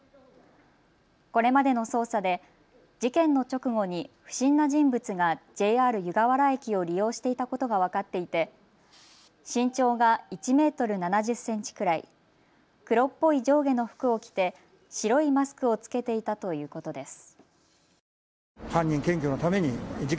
これまでの捜査で事件の直後に不審な人物がＪＲ湯河原駅を利用していたことが分かっていて身長が１メートル７０センチくらい、黒っぽい上下の服を着て白いマスクを着けていたということです。